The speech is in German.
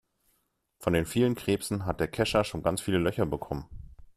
Von den vielen Krebsen hat der Kescher schon ganz viele Löcher bekommen.